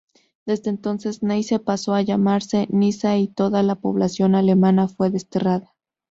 Desde entonces, Neisse pasó a llamarse Nysa y toda la población alemana fue desterrada.